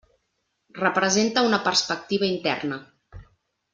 Representa una perspectiva interna.